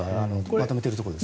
まとめているところです。